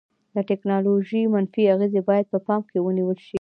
د ټیکنالوژي منفي اغیزې باید په پام کې ونیول شي.